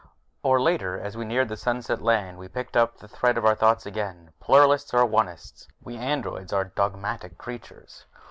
Or later, as we neared the Sunset Land, we picked up the thread of our thoughts again. Pluralist or Onist, we androids are dogmatic creatures.